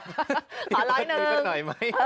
ขอร้อยหนึ่งอยู่แบบนี้หน่อยมั้ย